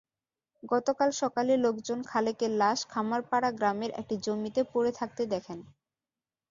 গতকাল সকালে লোকজন খালেকের লাশ খামারপাড়া গ্রামের একটি জমিতে পড়ে থাকতে দেখেন।